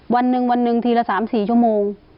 วันหนึ่งวันหนึ่งทีละ๓๔ชั่วโมง